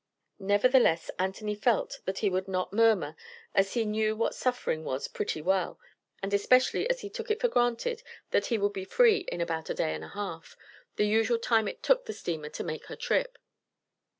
Nevertheless, Anthony felt that he would not murmur, as he knew what suffering was pretty well, and especially as he took it for granted that he would be free in about a day and a half the usual time it took the steamer to make her trip.